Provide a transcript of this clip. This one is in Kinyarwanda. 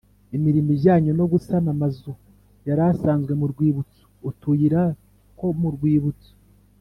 imirimo ijyanye no gusana amazu yari asanzwe mu rwibutso utuyira two mu rwibutso